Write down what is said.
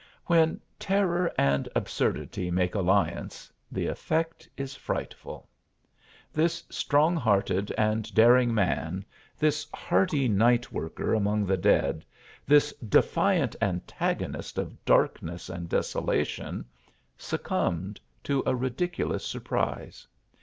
When terror and absurdity make alliance, the effect is frightful. This strong hearted and daring man, this hardy night worker among the dead, this defiant antagonist of darkness and desolation, succumbed to a ridiculous surprise.